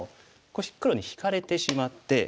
黒に引かれてしまって。